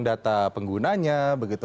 data penggunanya begitu